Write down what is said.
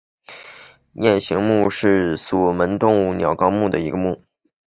雁形目是脊索动物门鸟纲的一个目。